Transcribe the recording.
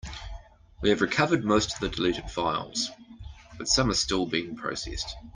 We have recovered most of the deleted files, but some are still being processed.